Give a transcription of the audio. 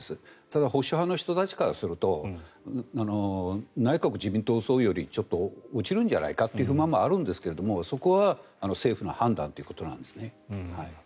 ただ、保守派の人たちからすると内閣・自民党葬よりちょっと落ちるんじゃないかという不満はあるんですがそこは政府の判断ということなんですね。